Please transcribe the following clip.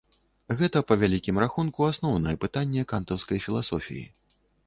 Гэта, па вялікім рахунку, асноўнае пытанне кантаўскай філасофіі.